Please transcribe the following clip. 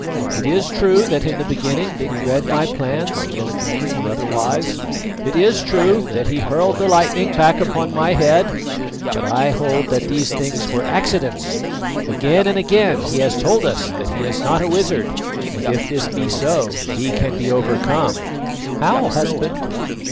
It is true that in the beginning he read my plans in a dream, or otherwise; it is true that he hurled the lightning back upon my head; but I hold that these things were accidents. Again and again he has told us that he is not a wizard; and if this be so, he can be overcome." "How, husband?"